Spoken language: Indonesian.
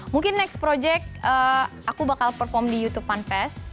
mungkin next project aku bakal perform di youtube fanfest